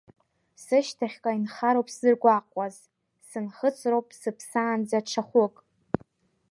Сышьҭахьҟа инхароуп сзыргәаҟуаз, сынхыҵроуп сыԥсаанӡа ҽа хәык.